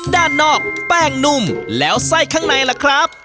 ด้านนอกแป้งนุ่มแล้วไส้ข้างในล่ะครับ